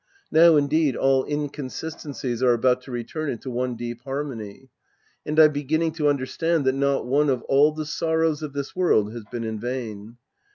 Now, indeed, all inconsistencies are about to return into one deep harmony. And I'm beginning to understand that not one of all the sorrows of this world has been in vain.